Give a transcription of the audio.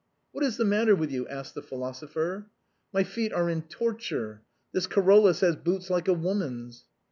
" What is the matter with you ?" asked the philosopher. "My feet are in torture; this Carolus has boots like a woman's."